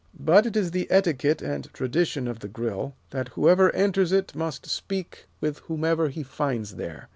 But it is the etiquette and tradition of the Grill, that whoever enters it must speak with whomever he finds there.